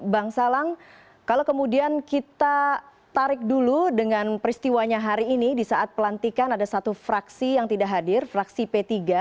bang salang kalau kemudian kita tarik dulu dengan peristiwanya hari ini di saat pelantikan ada satu fraksi yang tidak hadir fraksi p tiga